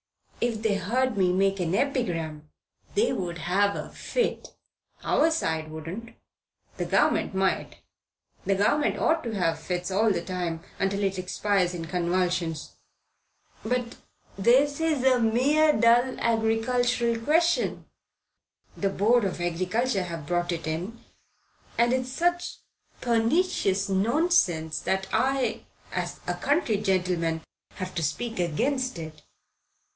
"If they heard me make an epigram, they would have a fit." "Our side wouldn't. The Government might. The Government ought to have fits all the time until it expires in convulsions." "But this is a mere dull agricultural question. The Board of Agriculture have brought it in, and it's such pernicious nonsense that I, as a county gentleman, have to speak against it."